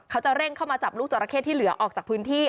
เขาจะเร่งเข้ามาจับลูกจราเข้ที่เหลือออกจากพื้นที่